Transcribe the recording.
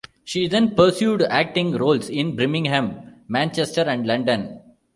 She then pursued acting roles in Birmingham, Manchester and London.